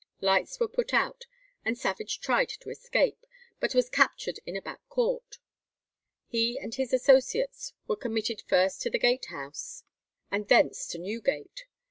Lights were put out, and Savage tried to escape, but was captured in a back court. He and his associates were committed first to the gatehouse and thence to Newgate.